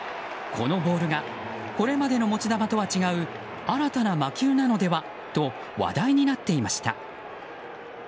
このボールがこれまでの持ち球とは違う新たな魔球なのではと話題になっていました。